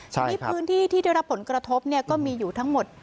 ใช่ครับพื้นที่ที่ได้รับผลกระทบเนี่ยก็มีอยู่ทั้งหมด